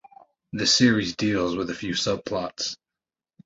The series deals with a few subplots.